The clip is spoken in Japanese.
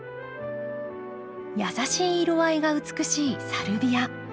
優しい色合いが美しいサルビア。